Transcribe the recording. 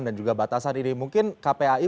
dan juga batasan ini mungkin kpai